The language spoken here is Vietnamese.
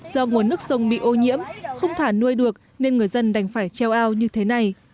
do nguồn nước sông bị ô nhiễm không thả nuôi được nên người dân đành phải treo ao như thế này